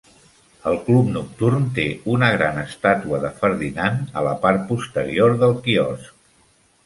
El club nocturn té una gran estàtua de Ferdinand a la part posterior del quiosc.